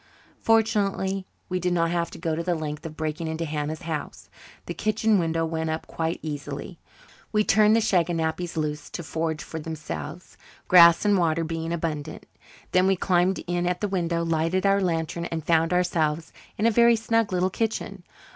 Fortunately we did not have to go to the length of breaking into Hannah's house. The kitchen window went up quite easily. We turned the shaganappies loose to forage for themselves, grass and water being abundant. Then we climbed in at the window, lighted our lantern, and found ourselves in a very snug little kitchen.